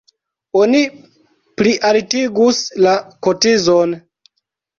Oni plialtigus la kotizon.